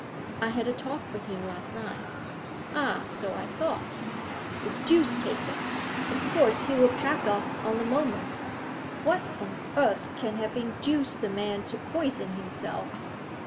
'I had a talk with him last night.' 'Ah, so I thought. The deuce take it! Of course he'll pack off on the moment. What on earth can have induced the man to poison himself?'